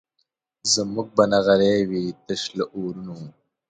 زموږ به نغري وي تش له اورونو